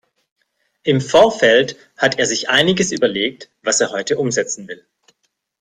Im Vorfeld hat er sich einiges überlegt, was er heute umsetzen will.